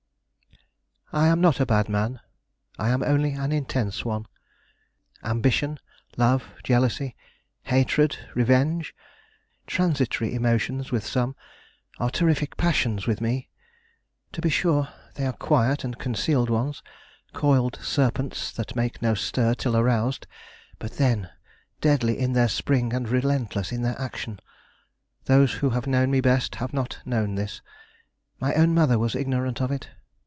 I am not a bad man; I am only an intense one. Ambition, love, jealousy, hatred, revenge transitory emotions with some, are terrific passions with me. To be sure, they are quiet and concealed ones, coiled serpents that make no stir till aroused; but then, deadly in their spring and relentless in their action. Those who have known me best have not known this. My own mother was ignorant of it.